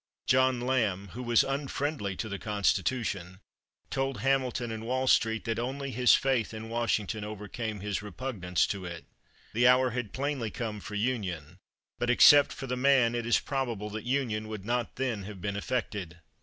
John Lamb, who was unfriendly to the Constitution, told Hamilton in Wall Street that only his faith in Washington overcame his repugnance to it. The hour had plainly come for union, but except for the man it is probable that union would not then have been effected.